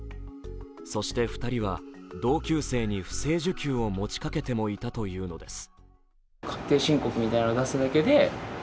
そして２人は、同級生に不正受給を持ちかけてもいたというのです。